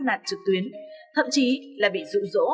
hoặc nạn trực tuyến thậm chí là bị dụ dỗ